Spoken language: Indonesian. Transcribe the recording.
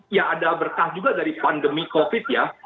ya ada berkah juga dari pandemi covid ya